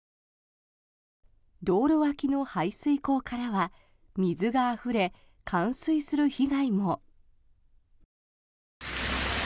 道路脇の排水溝からは水があふれ冠水する被害も。